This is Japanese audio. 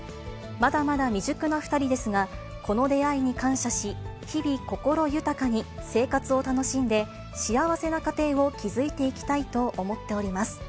まだまだ未熟な２人ですが、この出会いに感謝し、日々心豊かに生活を楽しんで、幸せな家庭を築いていきたいと思っております。